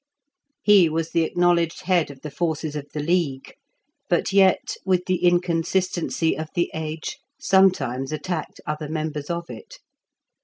He was the acknowledged head of the forces of the League; but yet, with the inconsistency of the age, sometimes attacked other members of it.